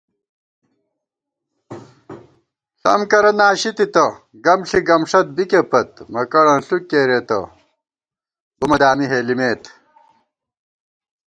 ݪَم کرہ ناشِی تِتہ، گم ݪی گمݭَت بِکےپت * مکَڑ انݪُک کېرېتہ، بُمہ دامی ہېلِمېت